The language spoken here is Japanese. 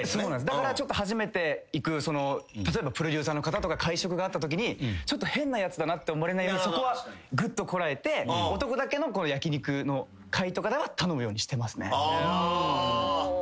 だから初めて行くプロデューサーの方とか会食があったときに変なやつだって思われないようにそこはぐっとこらえて男だけの焼き肉の会とかでは頼むようにしてますね。